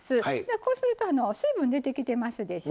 こうすると水分出てきてますでしょ。